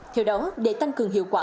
theo đó để tăng cường hiệu quả